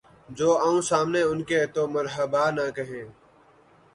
جو آؤں سامنے ان کے‘ تو مرحبا نہ کہیں